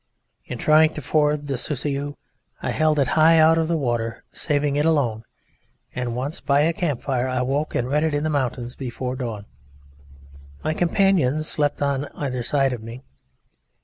In trying to ford the Sousseyou I held it high out of the water, saving it alone, and once by a camp fire I woke and read it in the mountains before dawn. My companions slept on either side of me.